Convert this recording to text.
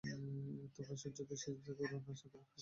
তোমরা সূর্যকে সিজদা করো না, চন্দ্রকেও না।